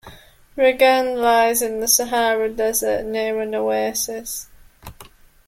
Reggane lies in the Sahara Desert near an oasis.